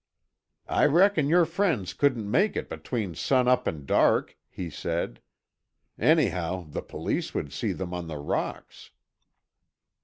"I reckon your friends couldn't make it between sun up and dark," he said. "Anyhow, the police would see them on the rocks."